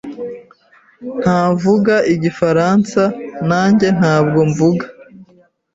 Ntavuga Igifaransa, nanjye ntabwo mvuga.